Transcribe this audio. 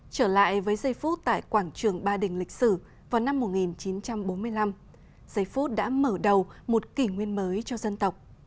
trở lại với giây phút tại quảng trường ba đình lịch sử vào năm một nghìn chín trăm bốn mươi năm giây phút đã mở đầu một kỷ nguyên mới cho dân tộc